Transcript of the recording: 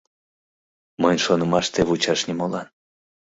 — Мыйын шонымаште вучаш нимолан.